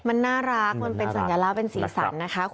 มันน่ารักมันเป็นสัญลักษณ์เป็นสีสันนะคะ